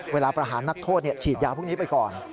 ประหารนักโทษฉีดยาพวกนี้ไปก่อน